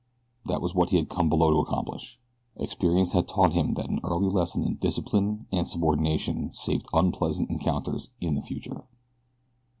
That was what he had come below to accomplish. Experience had taught him that an early lesson in discipline and subordination saved unpleasant encounters in the future.